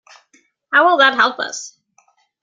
How will that help us?